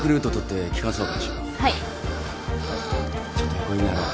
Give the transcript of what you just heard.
ちょっと横になろう。